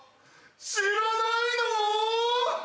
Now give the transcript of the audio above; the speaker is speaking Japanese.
知らないの！？